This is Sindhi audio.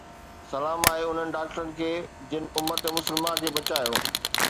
سلام آهي انهن ڊاڪٽرن کي جن امت مسلمه کي بچايو